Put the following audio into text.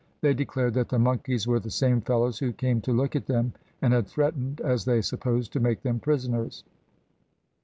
They declared that the monkeys were the same fellows who came to look at them and had threatened, as they supposed, to make them prisoners.